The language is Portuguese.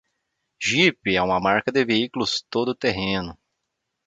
Jeep é uma marca de veículos todo-terreno.